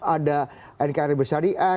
ada nkri bersyariah